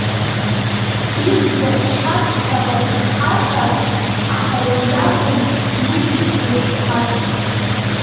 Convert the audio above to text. Иӡбахә шәасҳәап афырхаҵа, аха уажәакәым, уи уашьҭан.